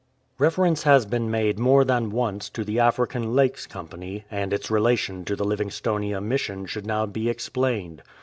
Reference has been made more than once to the Afriam Lakes Company, and its relation to the Livingstonia Mission should now be explained.